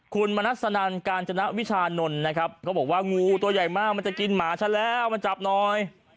คุณมณัสนันกาญจนวิชานนท์นะครับเขาบอกว่างูตัวใหญ่มากมันจะกินหมาฉันแล้วมาจับหน่อย